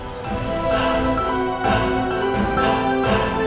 tim luar gini tim